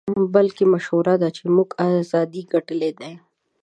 بلکې مشهوره ده چې موږ ازادۍ ګټلې دي.